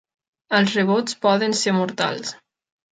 Els rebots poden ser mortals.